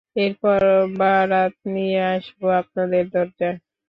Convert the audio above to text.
এরপর, বারাত নিয়ে আসবো আপনার দরজায়।